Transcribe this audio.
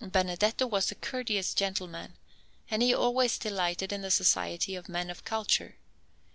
Benedetto was a courteous gentleman, and he always delighted in the society of men of culture.